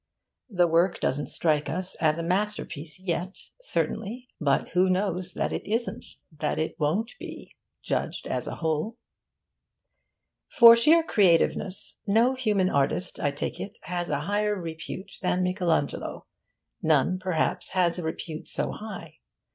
The work doesn't strike us as a masterpiece yet, certainly; but who knows that it isn't that it won't be, judged as a whole? For sheer creativeness, no human artist, I take it, has a higher repute than Michael Angelo; none perhaps has a repute so high.